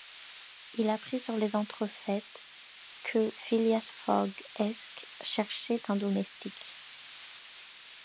Il apprit, sur les entrefaites, que Phileas Fogg, esq. , cherchait un domestique.